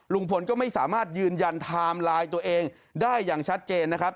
ลุงพลก็ไม่สามารถยืนยันไทม์ไลน์ตัวเองได้อย่างชัดเจนนะครับ